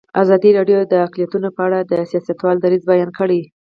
ازادي راډیو د اقلیتونه په اړه د سیاستوالو دریځ بیان کړی.